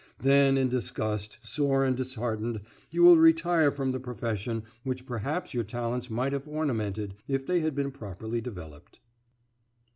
Then, in disgust, sore and disheartened, you will retire from the profession which perhaps your talents might have ornamented if they had been properly developed.